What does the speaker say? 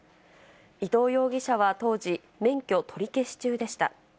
伊藤容疑者は当時、免許取り消し中でした。